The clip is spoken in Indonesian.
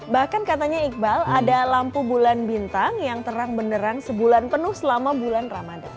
bahkan katanya iqbal ada lampu bulan bintang yang terang benerang sebulan penuh selama bulan ramadan